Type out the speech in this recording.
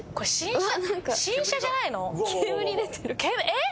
えっ！？